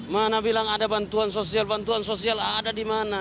mana bilang ada bantuan sosial bantuan sosial ada di mana